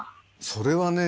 それはね